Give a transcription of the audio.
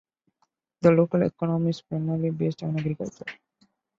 The local economy is primarily based on agriculture.